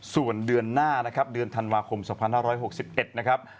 ส่วนเดือนหน้านะครับเดือนธันวาคม๒๕๖๑นะครับ